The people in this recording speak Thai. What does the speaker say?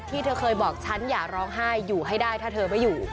เธอเคยบอกฉันอย่าร้องไห้อยู่ให้ได้ถ้าเธอไม่อยู่